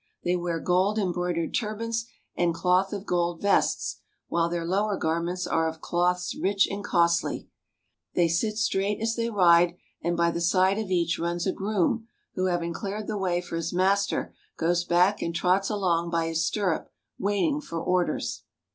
They wear gold embroidered turbans and cloth of gold vests, while their lower garments are of cloths rich and costly. They 290 THE NATIVE STATES OF INDIA sit Straight as they ride, and by the side of each runs a groom who having cleared the way for his master goes back and trots along by his stirrup waiting for orders.